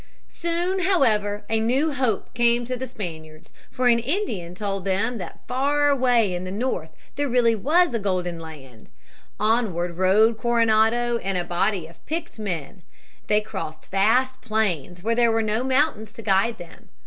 ] 14. The Great Plains. Soon, however, a new hope came to the Spaniards, for an Indian told them that far away in the north there really was a golden land. Onward rode Coronado and a body of picked men. They crossed vast plains where there were no mountains to guide them.